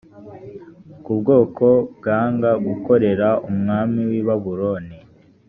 ku bwoko bwanga gukorera umwami w i babuloni